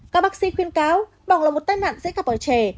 các bác sĩ khuyên cáo bỏng là một tai mạn dễ gặp ở trẻ